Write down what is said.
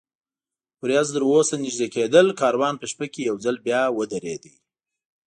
ورېځ تراوسه نږدې کېدل، کاروان په شپه کې یو ځل بیا ودرېد.